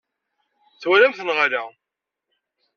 Twalamt-t neɣ ala?